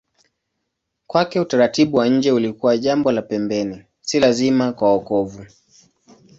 Kwake utaratibu wa nje ulikuwa jambo la pembeni, si lazima kwa wokovu.